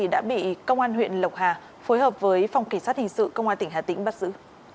đã bị công an huyện lộc hà phối hợp với phòng kỳ sát hình sự công an tỉnh hà tĩnh bắt giữ